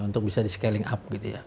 untuk bisa di scaling up